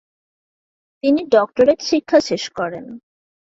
তিনি ডক্টরেট শিক্ষা শেষ করেন।